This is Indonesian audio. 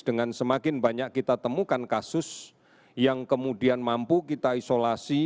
dengan semakin banyak kita temukan kasus yang kemudian mampu kita isolasi